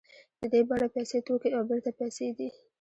د دې بڼه پیسې توکي او بېرته پیسې دي